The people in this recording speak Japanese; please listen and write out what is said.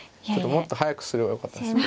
もっと早くすればよかったですね。